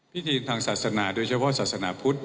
พิธีทางศาสนาโดยเฉพาะศาสนาพุทธ